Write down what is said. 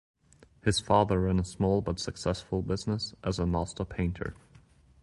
His father ran a small but successful business as a master painter.